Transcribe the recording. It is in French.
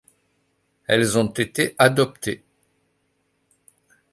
Elles ont été adoptées.